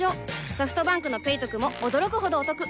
ソフトバンクの「ペイトク」も驚くほどおトク